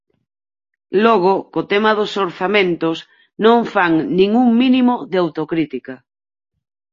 Logo, co tema dos orzamentos non fan nin un mínimo de autocrítica.